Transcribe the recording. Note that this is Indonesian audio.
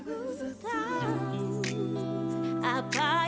oh sulit mereka pahami